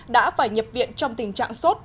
đã phải nhập viện trong tình trạng sốt